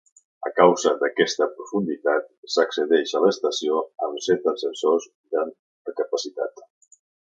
A causa d'aquesta profunditat s'accedeix a l'estació amb set ascensors d'alta capacitat.